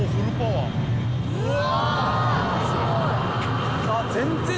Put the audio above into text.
うわ！